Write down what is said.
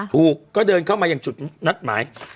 ถูกก็เดินเข้ามาอย่างจุดนัดหมาย